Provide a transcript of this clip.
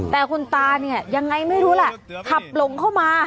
แต่คุณตาเนี่ยยังไงไม่รู้แหละขับหลงเข้ามา